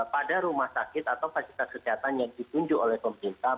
pada rumah sakit atau fasilitas kesehatan yang ditunjuk oleh pemerintah